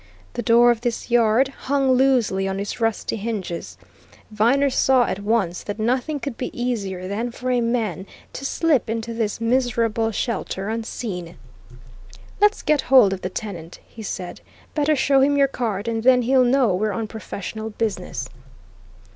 The door of this yard hung loosely on its rusty hinges; Viner saw at once that nothing could be easier than for a man to slip into this miserable shelter unseen. "Let's get hold of the tenant," he said. "Better show him your card, and then he'll know we're on professional business."